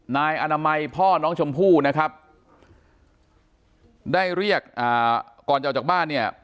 นายอนามัยพ่อน้องชมพู่นะครับได้เรียกอ่าก่อนจะออกจากบ้านเนี่ย